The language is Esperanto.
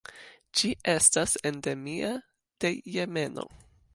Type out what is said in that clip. Ĝi estas endemia de Jemeno.